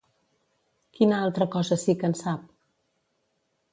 Quina altra cosa sí que en sap?